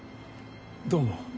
どうも。